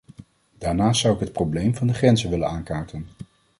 Daarnaast zou ik het probleem van de grenzen willen aankaarten.